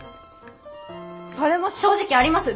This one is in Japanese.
それも正直あります。